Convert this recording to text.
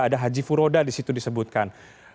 ada haji puroda di situ disebutkan